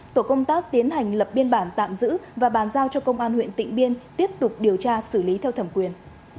tổ công tác tiến hành lập biên bản tạm giữ và bàn giao cho công an huyện tịnh biên tiếp tục điều tra xử lý theo thẩm quyền